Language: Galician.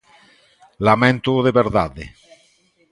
Laméntoo de verdade.